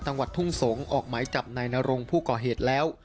จังหวัดทุ่งสงศ์ออกหมายจับนายนรงผู้ก่อเหตุแล้ว